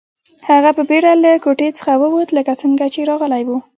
هغه په بیړه له کوټې څخه ووت لکه څنګه چې راغلی و